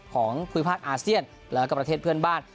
ของภูมิภาคอาเซียนแล้วก็ประเทศเพื่อนบ้าน